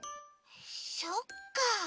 そっか。